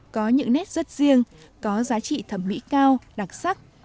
có những nét rất riêng có giá trị thẩm mỹ cao đặc sắc